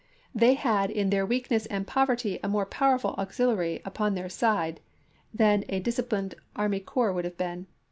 They had in their weakness and poverty a more powerful auxiliary upon their side than a dis ciplined army corps would have been.